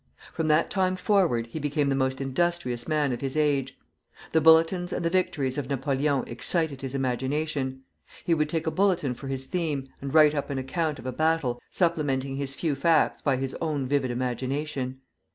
From that time forward he became the most industrious man of his age. The bulletins and the victories of Napoleon excited his imagination. He would take a bulletin for his theme, and write up an account of a battle, supplementing his few facts by his own vivid imagination.